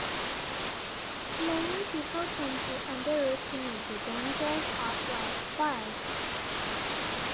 Many people tend to underestimate the dangers of flash floods.